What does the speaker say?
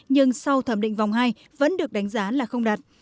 nhưng sau thẩm định vòng hai vẫn được đánh giá là không đạt